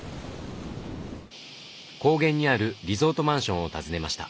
高原にあるリゾートマンションを訪ねました。